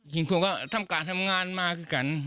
กิจกรรมก็ทำการทำงานมากัน